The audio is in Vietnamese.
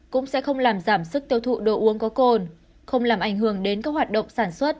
cũng sẽ không làm giảm sức tiêu thụ đồ uống có cồn không làm ảnh hưởng đến các hoạt động sản xuất